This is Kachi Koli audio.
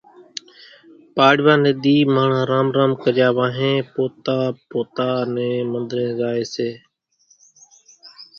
پاڙوا ني ۮي ماڻۿان رام رام ڪريا وانھين پوتا پوتا نين منۮرين زائي سي،